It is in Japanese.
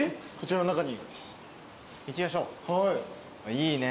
いいね